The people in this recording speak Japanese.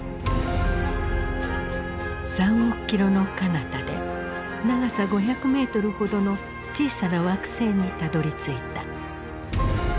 ３億キロのかなたで長さ５００メートルほどの小さな惑星にたどりついた。